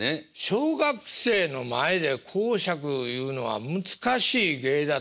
小学生の前で講釈いうのは難しい芸だと思うんですが。